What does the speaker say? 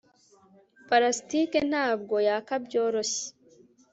plastike ntabwo yaka byoroshye